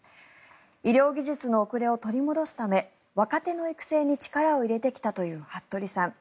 医療技術の遅れを取り戻すため若手の育成に力を入れてきたという服部さん。